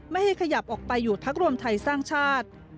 ไม่ให้ขยับออกไปอยู่พักรวมไทยสร้างชาติ